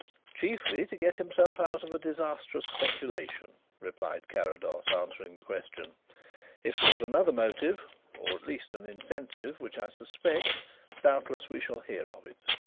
"Chiefly to get himself out of a disastrous speculation," replied Carrados, answering the question. "If there was another motive or at least an incentive which I suspect, doubtless we shall hear of it."